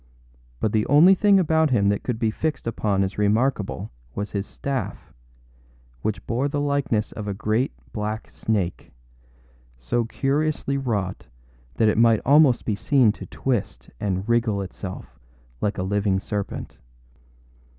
But the only thing about him that could be fixed upon as remarkable was his staff, which bore the likeness of a great black snake, so curiously wrought that it might almost be seen to twist and wriggle itself like a living serpent.